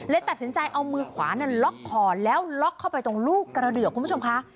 ตัดสินใจเอามือขวาล็อกคอแล้วล็อกเข้าไปตรงลูกกระเดือกคุณผู้ชมค่ะ